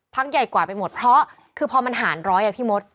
ใหญ่กว่าไปหมดเพราะคือพอมันหารร้อยอ่ะพี่มด